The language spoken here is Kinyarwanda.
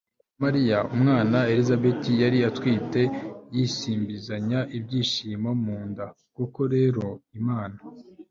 kwa mariya umwana elizabeti yari atwite yisimbizanya ibyishimo mu nda. koko rero imana